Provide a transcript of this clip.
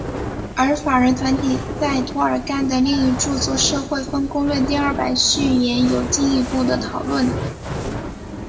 而法人团体在涂尔干的另一着作社会分工论第二版序言有进一步的讨论。